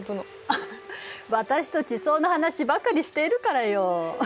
あはっ私と地層の話ばかりしているからよ。